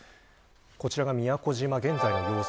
こちらが宮古島現在の様子